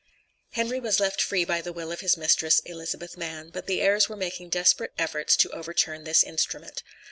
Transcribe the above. Henry was left free by the will of his mistress (Elizabeth Mann), but the heirs were making desperate efforts to overturn this instrument.